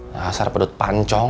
rasar pendut pancong